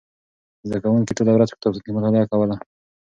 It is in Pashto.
زده کوونکو ټوله ورځ په کتابتون کې مطالعه کوله.